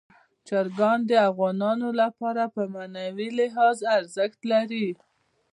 چرګان د افغانانو لپاره په معنوي لحاظ ارزښت لري.